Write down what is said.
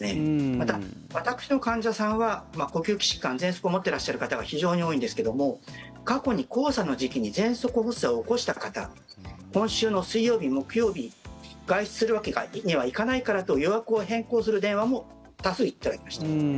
また、私の患者さんは呼吸器疾患、ぜんそくを持っていらっしゃる方が非常に多いんですけども過去に黄砂の時期にぜんそく発作を起こした方今週の水曜日、木曜日外出するわけにはいかないからと予約を変更する電話も多数頂きました。